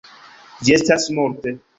Ĝi estas multe.